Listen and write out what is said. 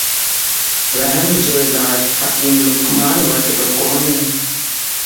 وھمَ جو علاج حڪيم لقمانَ وٽ به ڪوني.